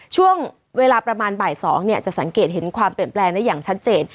ช่วงเวลาประมาณบ่าย๒จะสังเกตเห็นความเปลี่ยนแปลงได้อย่างชัดเจน